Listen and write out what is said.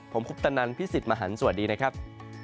ผมคุปตะนันพี่สิทธิ์มหันฯสวัสดีนะครับ